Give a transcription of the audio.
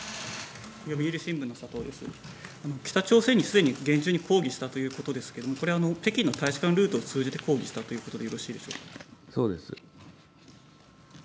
北朝鮮にすでに厳重に抗議したということですけれども、これ、北京の大使館ルートを通じて抗議したということでよろしいでしょそうです。